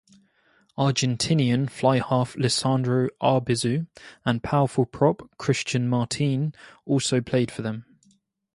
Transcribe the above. Argentinian fly-half Lisandro Arbizu and powerful prop Christian Martin also played for them.